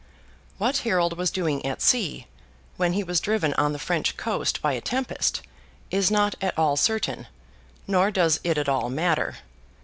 What Harold was doing at sea, when he was driven on the French coast by a tempest, is not at all certain; nor does it at all matter.